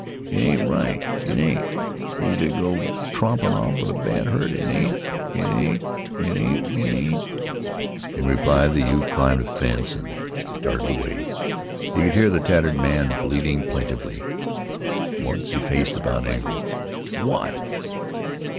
It ain't right it ain't fer yeh t' go trompin' off with a bad hurt it ain't ain't ain't right it ain't." In reply the youth climbed a fence and started away. He could hear the tattered man bleating plaintively. Once he faced about angrily. "What?"